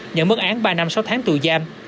nhận mức án ba năm sáu tháng tù giam